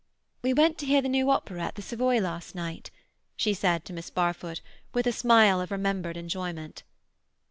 "We went to hear the new opera at the Savoy last night," she said to Miss Barfoot, with a smile of remembered enjoyment.